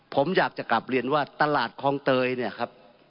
ผมอยากจะกลับเรียนว่าตลาดคลองเตยเนี่ยครับ